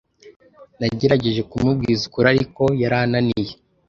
Nagerageje kumubwiza ukuri ariko yarananiye